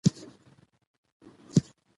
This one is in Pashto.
شفاف بهیر د شک مخه نیسي.